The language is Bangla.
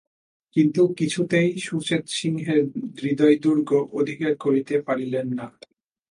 কিন্তু কিছুতেই সুচেতসিংহের হৃদয়দুর্গ অধিকার করিতে পারিলেন না।